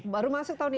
baru masuk tahun ini